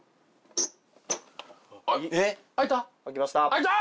開いた？